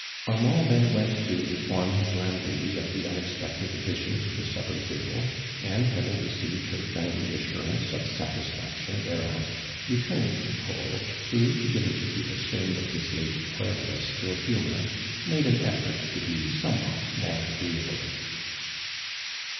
Armand then went to inform his landlady of the unexpected addition to the supper table, and having received her fri«ndly assurance of satisfaction thereat, returne<l to Paul, who, beginning to feel aehamed of his late tpierulous ill humor, made an effort to be somewhat more agreeable.